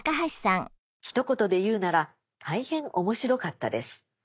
「ひと言で言うなら大変面白かったです。